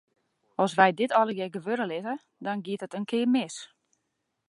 As wy dit allegear gewurde litte, dan giet it in kear mis.